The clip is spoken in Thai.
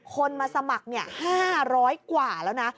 คนมาสมัคร๕๐๐กว่าแล้วนะ